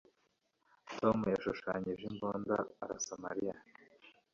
Tom yashushanyije imbunda arasa Mariya